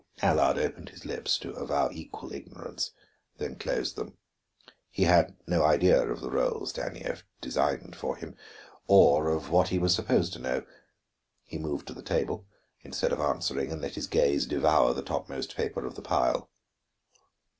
Allard opened his lips to avow equal ignorance, then closed them. He had no idea of the rôle Stanief designed for him, or of what he was supposed to know. He moved to the table, instead of answering, and let his gaze devour the topmost paper of the pile.